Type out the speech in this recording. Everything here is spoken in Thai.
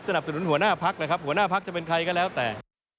สนุนหัวหน้าพักเลยครับหัวหน้าพักจะเป็นใครก็แล้วแต่